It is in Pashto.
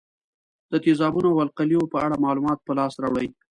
د تیزابونو او القلیو په اړه معلومات په لاس راوړئ.